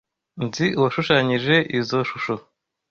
Nzi uwashushanyije izoi shusho.